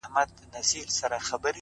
زړه لکه هينداره ښيښې گلي-